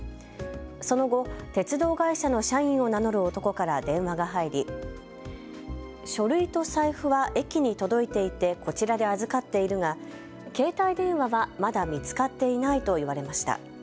その後、鉄道会社の社員を名乗る男から電話が入り書類と財布は駅に届いていてこちらで預かっているが携帯電話はまだ見つかっていないと言われました。